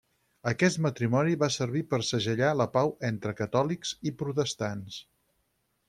Aquest matrimoni va servir per segellar la pau entre catòlics i protestants.